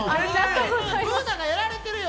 Ｂｏｏｎａがやられてるよ。